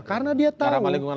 karena dia tahu